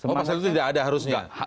oh pasal itu tidak ada harusnya